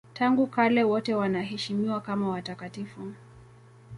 Tangu kale wote wanaheshimiwa kama watakatifu.